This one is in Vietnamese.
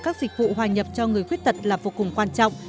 các dịch vụ hòa nhập cho người khuyết tật là vô cùng quan trọng